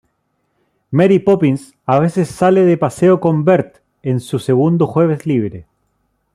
Mary Poppins a veces sale de paseo con Bert en su segundo jueves libre.